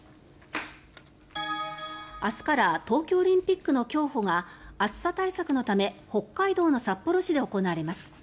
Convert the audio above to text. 明日から東京オリンピックの競歩が暑さ対策のため北海道の札幌市で行われます。